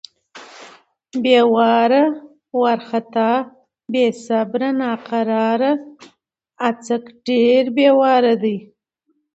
بې واره، وارختا= بې صبره، ناقراره. اڅک ډېر بې واره دی.